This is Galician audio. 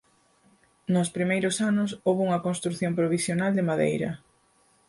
Nos primeiros anos houbo unha construción provisional de madeira.